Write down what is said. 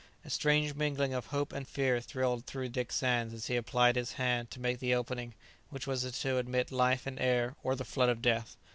A strange mingling of hope and fear thrilled through Dick Sands as he applied his hand to make the opening which was to admit life and air, or the flood of death!